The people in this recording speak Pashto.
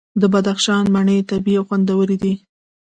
د بدخشان مڼې طبیعي او خوندورې دي.